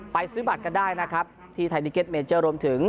ซื้อบัตรกันได้นะครับที่ไทยนิเก็ตเมเจอร์รวมถึง